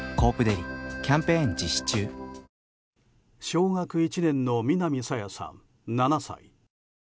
小学１年の南朝芽さん、７歳。